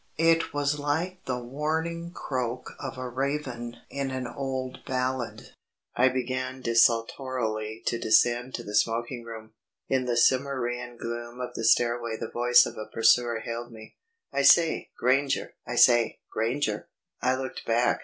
It was like the warning croak of a raven in an old ballad. I began desultorily to descend to the smoking room. In the Cimmerian gloom of the stairway the voice of a pursuer hailed me. "I say, Granger! I say, Granger!" I looked back.